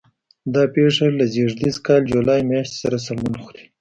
دا پېښه له زېږدیز کال جولای میاشتې سره سمون خوري.